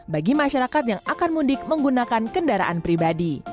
bagi masyarakat yang akan mudik menggunakan kendaraan pribadi